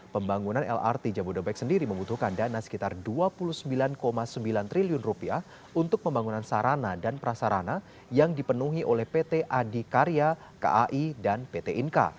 pembangunan lrt jabodebek sendiri membutuhkan dana sekitar rp dua puluh sembilan sembilan triliun untuk pembangunan sarana dan prasarana yang dipenuhi oleh pt adikarya kai dan pt inka